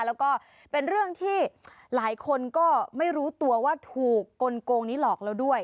แล้วก็เป็นเรื่องที่หลายคนก็ไม่รู้ตัวว่าถูกกลงนี้หลอกแล้วด้วย